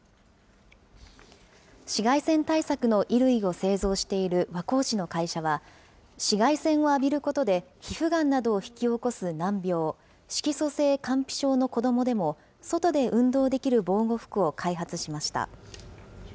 紫外線対策の衣類を製造している和光市の会社は、紫外線を浴びることで、皮膚がんなどを引き起こす難病、色素性乾皮症の子どもでも、外で運動できる防護服を開発しました。